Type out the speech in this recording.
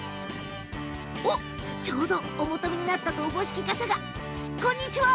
おっ、ちょうどお求めになったとおぼしき方が。こんにちは。